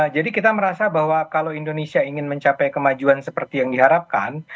jadi kita merasa bahwa kalau indonesia ingin mencapai kemajuan seperti yang diharapkan